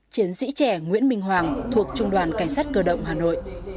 chiến sĩ trẻ nguyễn minh hoàng thuộc trung đoàn cảnh sát cơ động hà nội